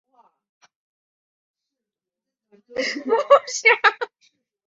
雷彦恭生年不详。